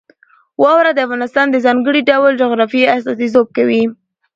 واوره د افغانستان د ځانګړي ډول جغرافیې استازیتوب کوي.